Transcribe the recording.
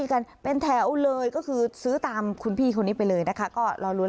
กันเป็นแถวเลยก็คือซื้อตามคุณพี่คนนี้ไปเลยนะคะก็รอล้วน